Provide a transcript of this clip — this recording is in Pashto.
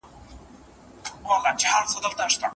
د محمد بن حسن الشیباني رحمه الله قول په دې اړه څه دی؟